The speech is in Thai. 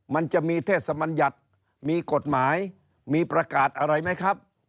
มันจะมีเทศมัญญัติมีกฎหมายมีประกาศอะไรไหมครับ